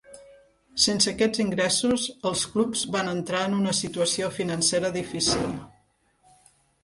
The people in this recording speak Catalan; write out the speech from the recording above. Sense aquests ingressos, els clubs van entrar en una situació financera difícil.